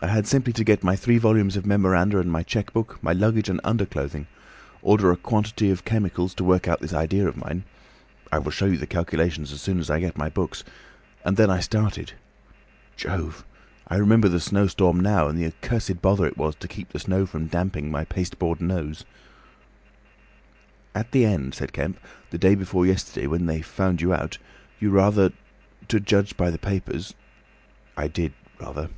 I had simply to get my three volumes of memoranda and my cheque book, my luggage and underclothing, order a quantity of chemicals to work out this idea of mine—I will show you the calculations as soon as I get my books—and then I started. Jove! I remember the snowstorm now, and the accursed bother it was to keep the snow from damping my pasteboard nose." "At the end," said Kemp, "the day before yesterday, when they found you out, you rather—to judge by the papers—" "I did. Rather.